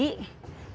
sini sama siapa